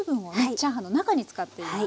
チャーハンの中に使っています。